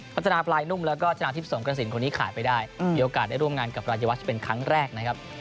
พัฒนาปลายนุ่มแล้วก็ชนะทิพย์สงกระสินคนนี้ขายไปได้มีโอกาสได้ร่วมงานกับรายวัชเป็นครั้งแรกนะครับ